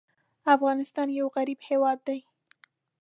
افغانستان یو غریب هېواد دی.